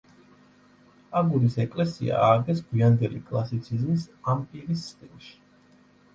აგურის ეკლესია ააგეს გვიანდელი კლასიციზმის, ამპირის სტილში.